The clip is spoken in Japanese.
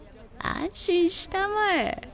安心したまえ。